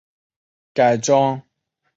改装部品则藉由行车的里程数取得。